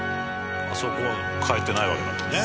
あそこは変えてないわけだもんね」